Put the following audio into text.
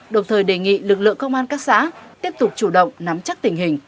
đồng thời đề nghị lực lượng công an các xã tiếp tục chủ động nắm chắc tình hình